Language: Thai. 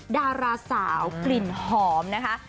ดาราสาวกลิ่นหอมนะคะ